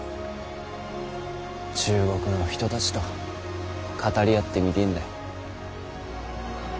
中国の人たちと語り合ってみてぇんだ。